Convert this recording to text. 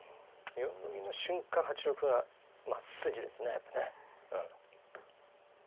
４六銀の瞬間８六歩がまあ筋ですねやっぱね。